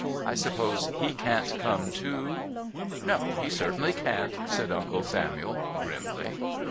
"I suppose he can't come too." "No, he certainly can't," said Uncle Samuel grimly.